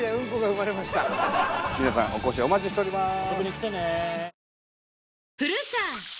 皆さんお越しをお待ちしております。